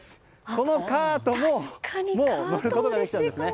このカートも乗ることができちゃうんですね。